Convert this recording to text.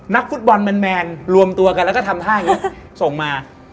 นักฟุตบอลแมนรวมตัวกันแล้วก็ทำท่าอย่างนี้ส่งมา